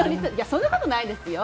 そんなことないですよ。